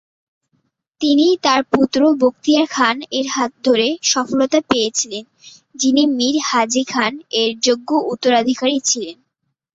তিনি তার পুত্র বখতিয়ার খান এর হাত ধরে সফলতা পেয়েছিলেন যিনি মীর হাজী খান এর যোগ্য উত্তরাধিকারী ছিলেন।